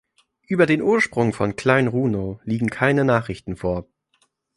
Über den Ursprung von Klein Runow liegen keine Nachrichten vor.